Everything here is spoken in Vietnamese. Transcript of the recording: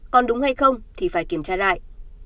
còn đúng hay không thì phải kiểm tra lại